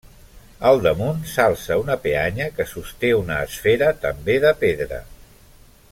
Al damunt s'alça una peanya que sosté una esfera també de pedra.